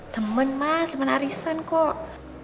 temen mas temen arisan kok